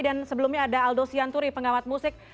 dan sebelumnya ada aldo sianturi pengawat musik